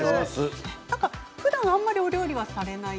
なんか、ふだんはあんまりお料理はされないって。